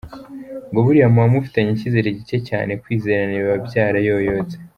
Ngo buriya muba mufitanye ikizere gike cyane: Kwizerana biba byarayoyotse.